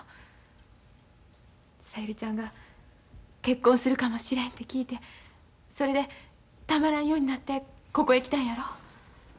小百合ちゃんが結婚するかもしれんて聞いてそれでたまらんようになってここへ来たんやろ？